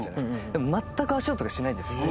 でも全く足音がしないんですよ。